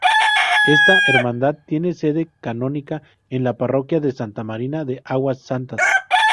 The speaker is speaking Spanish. Esta hermandad tiene sede canónica en la Parroquia de Santa Marina de Aguas Santas.